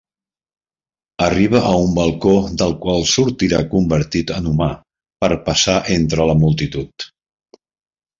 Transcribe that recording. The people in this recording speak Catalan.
Arriba a un balcó del qual sortirà convertit en humà per passar entre la multitud.